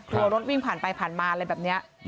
รถวิ่งผ่านไปผ่านมาอะไรแบบนี้